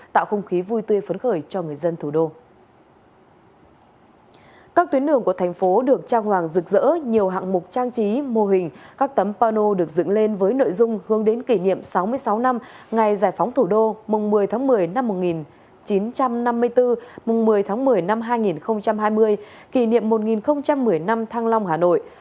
tuyến phố được trao hoàng rực rỡ nhiều hạng mục trang trí mô hình các tấm pano được dựng lên với nội dung hướng đến kỷ niệm sáu mươi sáu năm ngày giải phóng thủ đô mùng một mươi tháng một mươi năm một nghìn chín trăm năm mươi bốn mùng một mươi tháng một mươi năm hai nghìn hai mươi kỷ niệm một nghìn một mươi năm thăng long hà nội